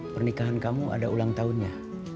pernikahan kamu ada ulang tahunnya